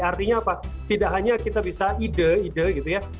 artinya apa tidak hanya kita bisa ide ide gitu ya